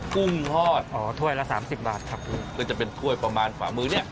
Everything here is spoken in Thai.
กุ้งฮอดอ๋อถ้วยละ๓๐บาทครับคือจะเป็นถ้วยประมาณขวามือเนี่ย